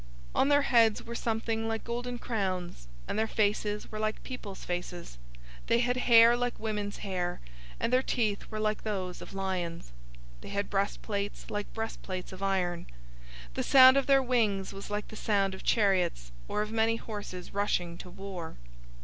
On their heads were something like golden crowns, and their faces were like people's faces. 009:008 They had hair like women's hair, and their teeth were like those of lions. 009:009 They had breastplates, like breastplates of iron. The sound of their wings was like the sound of chariots, or of many horses rushing to war.